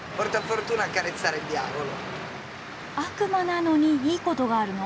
悪魔なのにいいことがあるの？